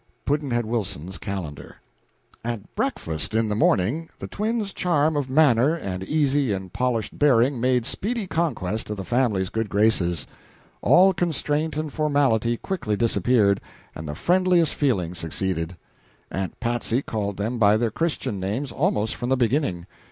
Pudd'nhead Wilson's Calendar. At breakfast in the morning the twins' charm of manner and easy and polished bearing made speedy conquest of the family's good graces. All constraint and formality quickly disappeared, and the friendliest feeling succeeded. Aunt Patsy called them by their Christian names almost from the beginning.